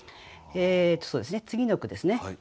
次の句ですね。